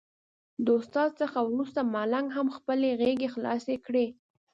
د استاد څخه وروسته ملنګ هم خپلې غېږې خلاصې کړې.